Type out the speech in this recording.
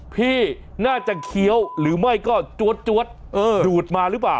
พี่น่าจะเคี้ยวหรือไม่ก็จวดดูดมาหรือเปล่า